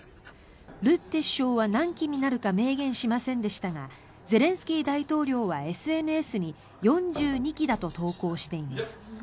ルッテ首相は何機になるか明言しませんでしたがゼレンスキー大統領はＳＮＳに４２機だと投稿しています。